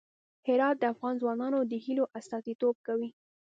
هرات د افغان ځوانانو د هیلو استازیتوب کوي.